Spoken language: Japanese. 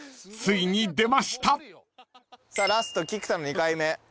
さあラスト菊田の２回目。